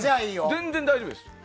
全然大丈夫です。